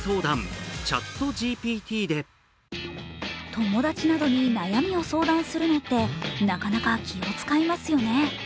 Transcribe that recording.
友達などに悩みを相談するのって、なかなか気を遣いますよね。